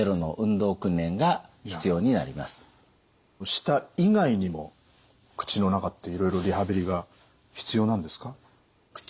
舌以外にも口の中っていろいろリハビリが必要なんですか？